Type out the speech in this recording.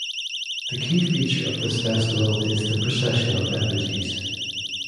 The key feature of this festival is the procession of effigies.